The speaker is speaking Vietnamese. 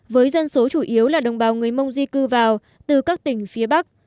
với dân số chủ yếu là đồng bào người mông di cư vào từ các tỉnh phía bắc